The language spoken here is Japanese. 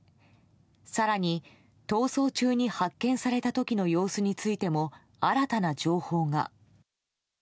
更に逃走中に発見された時の様子についても新たな情報が。